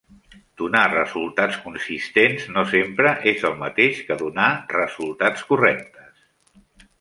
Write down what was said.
Donar resultats consistents no sempre és el mateix que donar resultats correctes.